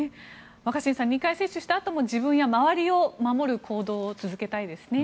若新さん、２回接種したあとも自分や周りを守る行動を続けたいですね。